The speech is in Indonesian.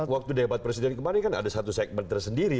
waktu debat presiden kemarin kan ada satu segmen tersendiri